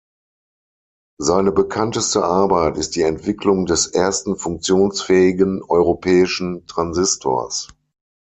Seine bekannteste Arbeit ist die Entwicklung des ersten funktionsfähigen europäischen Transistors.